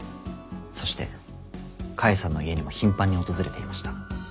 そして菓恵さんの家にも頻繁に訪れていました。